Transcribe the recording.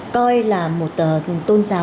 coi là một tôn giáo